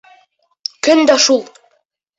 Көн дә шул!